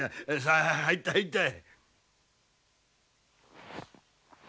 さあ入った入った。